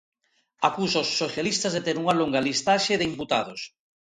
Acusa os socialistas de ter unha longa listaxe de imputados.